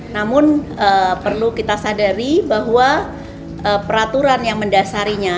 namun perlu kita sadari bahwa peraturan yang mendasarinya